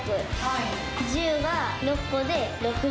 １０が６個で６０。